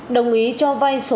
đồng ý cho vai số sáu